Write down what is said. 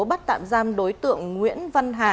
bắt tạm giam đối tượng nguyễn văn hà